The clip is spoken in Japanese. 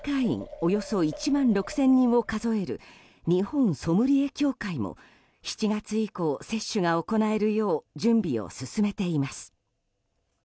およそ１万６０００人を数える日本ソムリエ協会も７月以降、接種が行えるよう準備を進めています。